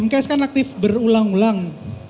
m cash kan aktif berulang ulang